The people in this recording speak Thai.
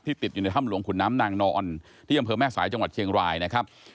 ติดอยู่ในถ้ำหลวงขุนน้ำนางนอนที่อำเภอแม่สายจังหวัดเชียงรายนะครับ